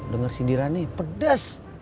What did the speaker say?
dengar sindiran ini pedes